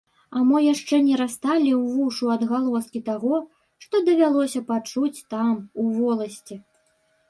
А мо яшчэ не расталі ўвушшу адгалоскі таго, што давялося пачуць там, у воласці?